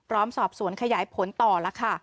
สอบสวนขยายผลต่อแล้วค่ะ